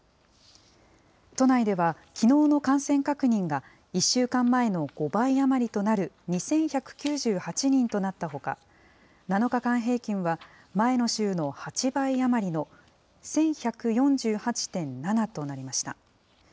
都内では、きのうの感染確認が１週間前の５倍余りとなる２１９８人となったほか、７日間平均は前の週の８倍余りの、１１４８．７となりました。